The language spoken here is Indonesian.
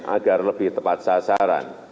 agar lebih tepat sasaran